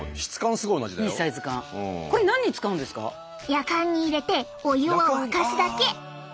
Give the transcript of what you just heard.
やかんに入れてお湯を沸かすだけ！